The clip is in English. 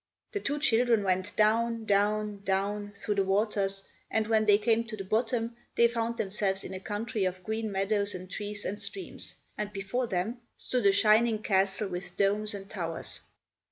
The two children went down—down—down—through the waters, and when they came to the bottom they found themselves in a country of green meadows and trees and streams, and before them stood a shining castle with domes and towers.